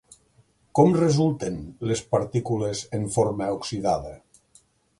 Com resulten les partícules en forma oxidada?